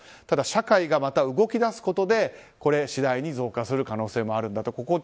ただ社会がまた動き出すことで次第に増加する可能性もあるんだと。